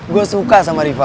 gue suka sama rifa